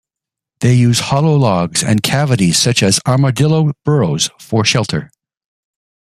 They use hollow logs and cavities such as armadillo burrows for shelter.